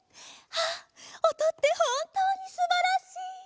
ああおとってほんとうにすばらしい！